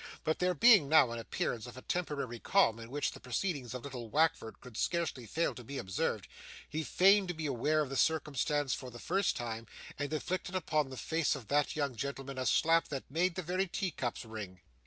But there being now an appearance of a temporary calm, in which the proceedings of little Wackford could scarcely fail to be observed, he feigned to be aware of the circumstance for the first time, and inflicted upon the face of that young gentleman a slap that made the very tea cups ring.